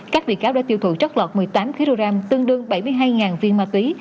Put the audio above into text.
các bị cáo đã tiêu thụ trót lọt một mươi tám kg tương đương bảy mươi hai viên ma túy